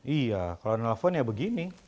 iya kalau nelfon ya begini